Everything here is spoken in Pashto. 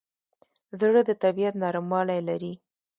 زړه د طبیعت نرموالی لري.